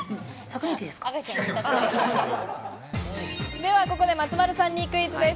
ではここで松丸さんにクイズです。